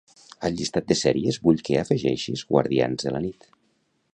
Al llistat de sèries vull que afegeixis "Guardians de la nit".